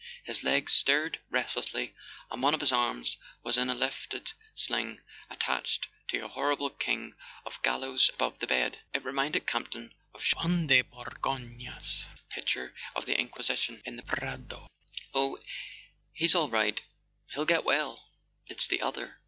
His legs stirred restlessly, and one of his arms was in a lifted sling attached to a horrible kind of gallows above the bed. It reminded Campton of Juan de Borgona's pictures of the Inquisition, in the Prado. [ 145 ] A SON AT THE FRONT "Oh, he's all right; he'll get well. It's the other.